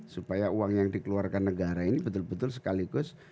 supaya uang yang dikeluarkan negara ini betul betul sekaligus